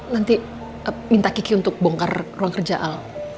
nanti minta kiki untuk bongkar ruang kerja al